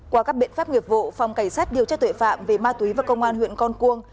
qua các biện pháp nghiệp vụ phòng cảnh sát điều tra tội phạm về ma túy và công an huyện con cuông